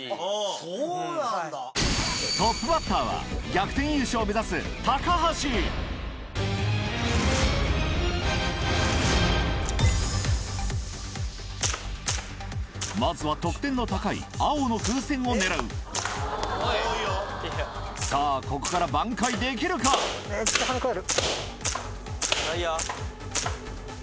トップバッターは逆転優勝を目指すまずは得点の高い青の風船を狙うさぁここから挽回できるか⁉いいよ。